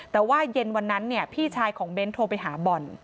แต่ว่าเย็นวันนั้นพี่ชายของเบ้นโทรไปหาบอล